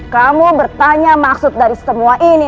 kamu bertanya maksud dari semua ini